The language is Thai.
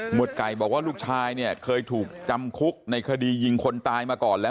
ไก่บอกว่าลูกชายเนี่ยเคยถูกจำคุกในคดียิงคนตายมาก่อนแล้ว